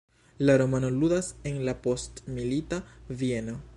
La romano ludas en la postmilita Vieno.